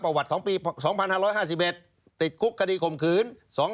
ประวัติ๒ปี๒๕๕๑ติดคุกคดีข่มขืน